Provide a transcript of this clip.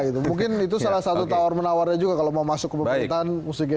mungkin itu salah satu tawar menawarnya juga kalau mau masuk ke pemerintahan musiknya